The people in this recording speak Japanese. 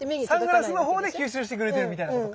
サングラスのほうで吸収してくれてるみたいなことか。